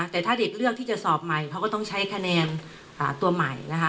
แต่ถ้าเด็กเลือกที่จะสอบใหม่เขาก็ต้องใช้คะแนนตัวใหม่นะคะ